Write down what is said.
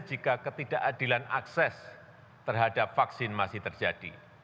jika ketidakadilan akses terhadap vaksin masih terjadi